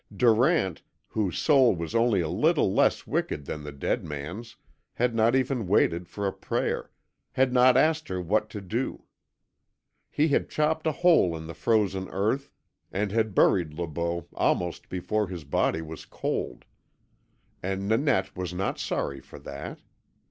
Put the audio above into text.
Durant, whose soul was only a little less wicked than the dead man's, had not even waited for a prayer had not asked her what to do. He had chopped a hole in the frozen earth and had buried Le Beau almost before his body was cold. And Nanette was not sorry for that.